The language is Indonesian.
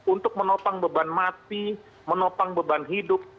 untuk menopang beban mati menopang beban hidup